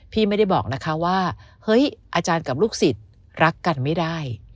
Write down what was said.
พี่ไม่ได้บอกนะคะว่าเฮ้ยอาจารย์กับลูกศิษย์รักกันไม่ได้